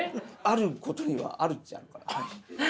あることにはあるっちゃあるかな。